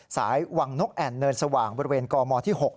สายวังนกแอ่นเนินสว่างบริเวณกมที่๖